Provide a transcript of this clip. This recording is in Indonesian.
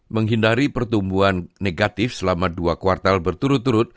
menghindari pertumbuhan negatif selama dua kuartal berturut turut